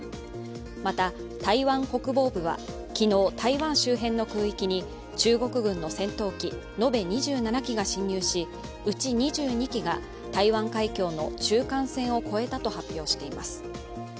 また、台湾国防部は昨日、台湾周辺の空域に中国軍の戦闘機延べ２７機が侵入しうち２２機が台湾海峡の中間線を越えたと発表しています。